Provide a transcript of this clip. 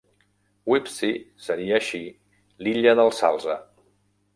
Wibsey seria així "l'illa del salze".